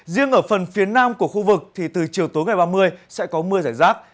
riêng ở phần phía nam của khu vực thì từ chiều tối ngày ba mươi sẽ có mưa giải rác